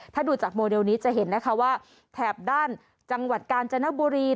ถ้าดูจากโมเดลนี้จะเห็นนะคะว่าแถบด้านจังหวัดกาญจนบุรี